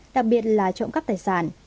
đặc biệt là trộm cắp tài sản